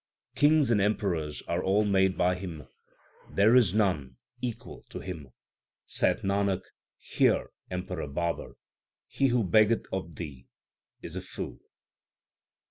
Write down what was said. Kings and Emperors are all made by Him. There is none equal to Him. Saith Nanak, Hear, Emperor Babar, He who beggeth of thee is a fool.